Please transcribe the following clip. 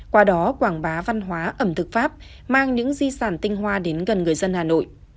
qua đó quảng bá văn hóa ẩm thực pháp mang những di sản tinh hoa đến gần người dân hà nội